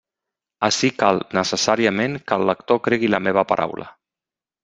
Ací cal necessàriament que el lector cregui la meva paraula.